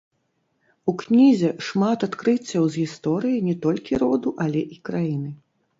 У кнізе шмат адкрыццяў з гісторыі не толькі роду, але і краіны.